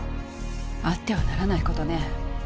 あってはならない事ね。